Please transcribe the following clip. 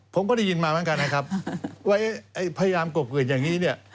ผมก็ได้ยินมาเหมือนกันนะครับไว้พยายามกบเกิดอย่างนี้เนี่ย